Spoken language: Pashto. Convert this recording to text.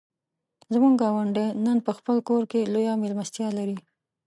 زموږ ګاونډی نن په خپل کور کې لویه مېلمستیا لري.